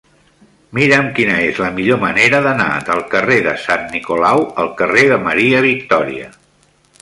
Mira'm quina és la millor manera d'anar del carrer de Sant Nicolau al carrer de Maria Victòria.